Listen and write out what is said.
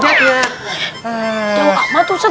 jauh amat ustad